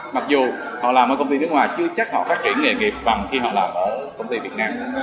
mặc dù họ làm ở công ty nước ngoài chưa chắc họ phát triển nghề nghiệp bằng khi họ làm ở công ty việt nam